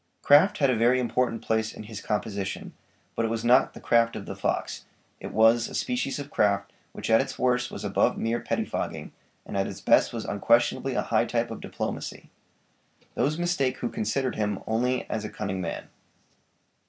Craft had a very important place in his composition, but it was not the craft of the fox; it was a species of craft which at its worst was above mere pettifogging, and at its best was unquestionably a high type of diplomacy. Those mistake who considered him only as a cunning man.